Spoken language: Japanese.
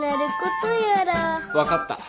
分かった。